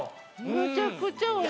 むちゃくちゃ美味しい。